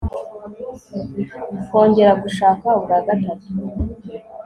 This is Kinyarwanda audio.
kongera gushaka ubwa gatatu